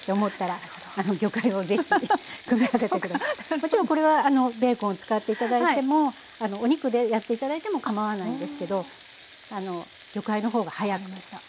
もちろんこれはベーコンを使っていただいてもお肉でやっていただいてもかまわないんですけど魚介の方が早く。